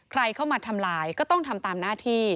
ใครเข้ามาทำลายก็ต้องทำตามหน้าที่